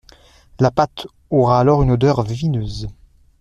La pâte aura alors une odeur vineuse.